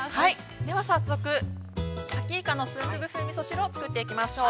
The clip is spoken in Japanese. ◆では早速、さきイカのスンドゥブ風みそ汁を作っていきましょう。